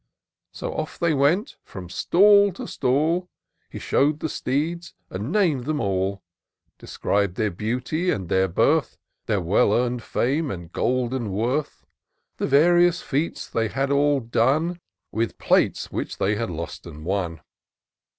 So off they went; — ^from stall to stall He shew'd the steeds, and nam'd them all ; Describ'd their beauty and their birth ; Their well eam'd fame and golden worth ; The various feats they all had done. With plates which they had lost and won.